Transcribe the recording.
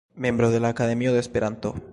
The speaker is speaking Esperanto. Membro de la Akademio de Esperanto.